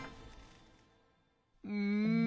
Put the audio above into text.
うん。